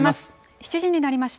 ７時になりました。